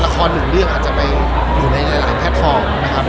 ละคร๑เรื่องจะอยู่ในหลายแพทฟอร์ม